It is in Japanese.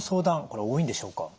これ多いんでしょうか？